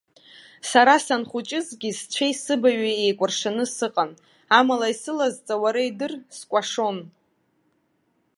Сара санхәыҷызгьы сцәеи сыбаҩи еикәыршаны сыҟан, амала исылазҵа уара идыр, скәашон.